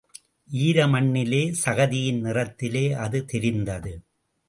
ஈரமண்ணிலே சகதியின் நிறத்திலே அது தெரிந்தது.